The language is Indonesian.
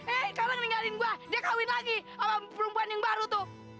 eh sekarang ninggalin gue dia kawin lagi sama perempuan yang baru tuh